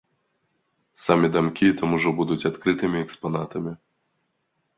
Самі дамкі там ужо будуць адкрытымі экспанатамі.